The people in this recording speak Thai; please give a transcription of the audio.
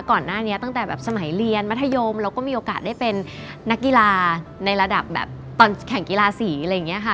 ก่อนหน้านี้ตั้งแต่แบบสมัยเรียนมัธยมแล้วก็มีโอกาสได้เป็นนักกีฬาในระดับแบบตอนแข่งกีฬาสีอะไรอย่างนี้ค่ะ